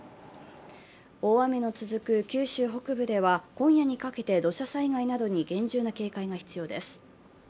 大雨の続く九州北部では今夜にかけて土砂災害などに厳重な警戒が必要です。